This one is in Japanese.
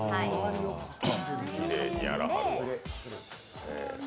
きれいにやらはるね。